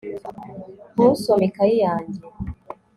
ntusome ikayi yanjye